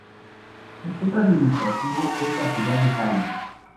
El centro administrativo es la ciudad de Salem.